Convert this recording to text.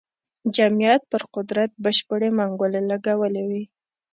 جمعیت پر قدرت بشپړې منګولې لګولې وې.